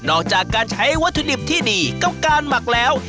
ออกจากการใช้วัตถุดิบที่ดีกับการหมักแล้ว